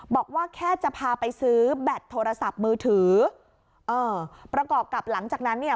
บอกว่าแค่จะพาไปซื้อแบตโทรศัพท์มือถือเออประกอบกับหลังจากนั้นเนี่ย